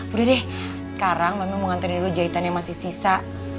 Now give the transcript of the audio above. udah deh sekarang mami mau nganterin dulu jahitan yang masih sisa